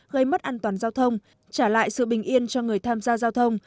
gây mất an toàn giao thông trả lại sự bình yên cho người tham gia giao thông